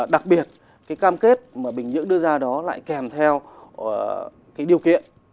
đặc biệt cái cam kết mà bình nhưỡng đưa ra đó lại kèm theo cái điều kiện